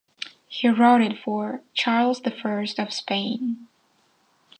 He wrote it for Charles the First of Spain.